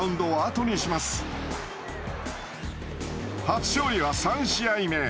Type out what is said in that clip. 初勝利は３試合目。